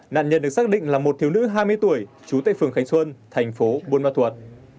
nạn nhân được xác định là một thiếu nữ hai mươi tuổi trú tại phường khánh xuân thành phố mò thuật